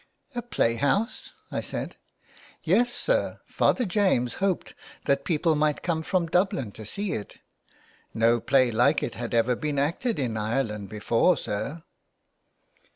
" A playhouse," I said. *' Yes, sir, Father James hoped that people might come from Dublin to see it. No play like it had ever been acted in Ireland before sir."